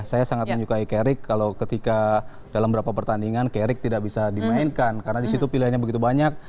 saya sangat menyukai carrick kalau ketika dalam beberapa pertandingan carrick tidak bisa dimainkan karena disitu pilihannya begitu banyak